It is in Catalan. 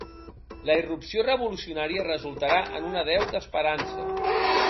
La irrupció revolucionària resultarà en una deu d'esperança.